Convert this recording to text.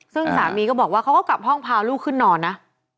ซึ่งสามีก็บอกว่าเขาก็กลับห้องพาลูกขึ้นนอนนะ